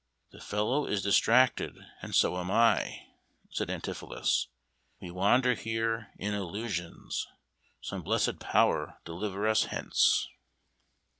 "The fellow is distracted, and so am I," said Antipholus. "We wander here in illusions. Some blessed power deliver us hence!"